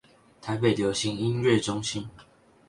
台北流行音樂中心